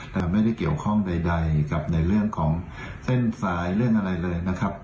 แต่ไม่ได้เกี่ยวข้องใดกับในเรื่องของเส้นสายเรื่องอะไรเลยนะครับ